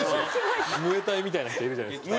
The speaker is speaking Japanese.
ムエタイみたいな人いるじゃないですか。